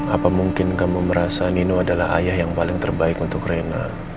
apa mungkin kamu merasa nino adalah ayah yang paling terbaik untuk rena